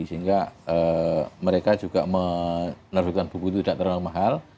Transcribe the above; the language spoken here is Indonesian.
sehingga mereka juga menerbitkan buku itu tidak terlalu mahal